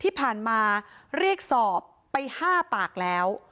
ที่ผ่านมาเรียกสอบไป๕ปากแล้ว